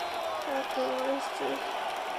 Lieutenant George Meade helped design the lighthouse.